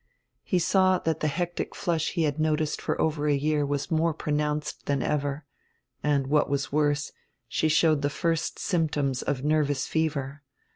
He saw that die hectic flush he had noticed for over a year was more pronounced than ever, and, what was worse, she showed the first symptoms of nervous fever.